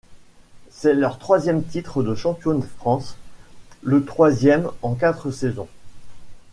C'est leur troisième titre de champion de France, le troisième en quatre saisons.